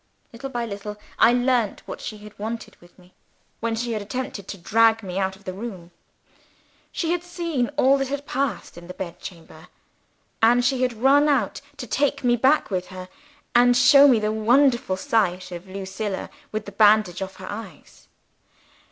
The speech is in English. Little by little, I learnt what she had wanted with me, when she had attempted to drag me out of the room. She had seen all that had passed in the bed chamber; and she had run out to take me back with her, and show me the wonderful sight of Lucilla with the bandage off her eyes.